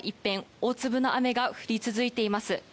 大粒の雨が降り続いています。